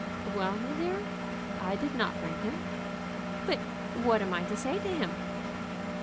"Well, my dear? I did not bring him." "But what am I to say to him?"